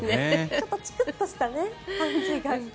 ちょっとチクッとした感じが。